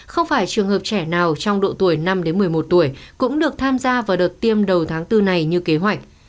không phải trường hợp trẻ nào trong độ tuổi năm một mươi một tuổi cũng được tham gia vào đợt tiêm đầu tháng bốn này như kế hoạch